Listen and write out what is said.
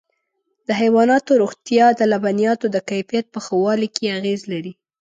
د حيواناتو روغتیا د لبنیاتو د کیفیت په ښه والي کې اغېز لري.